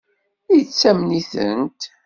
Yettamen-itent?